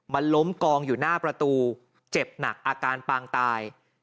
มันล้มกองอยู่หน้าประตูเจ็บหนักอาการปางตาย